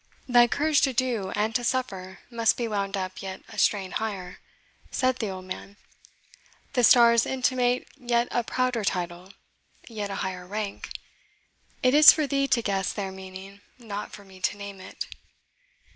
"Thy courage to do and to suffer must be wound up yet a strain higher," said the old man. "The stars intimate yet a prouder title, yet an higher rank. It is for thee to guess their meaning, not for me to name it."